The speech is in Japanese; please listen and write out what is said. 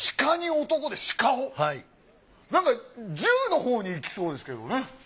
なんか銃のほうにいきそうですけどね。